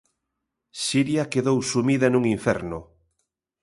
Siria quedou sumida nun inferno.